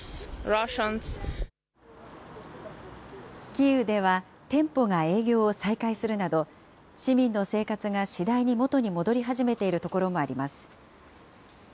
キーウでは店舗が営業を再開するなど、市民の生活が次第に元に戻り始めている所もあります。